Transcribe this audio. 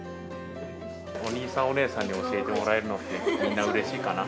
お兄さん、お姉さんに教えてもらえるのって、みんなうれしいかな？